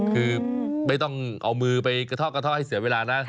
คือไม่ต้องเอามือไปกระท่อกระท่อให้เสียเวลานะ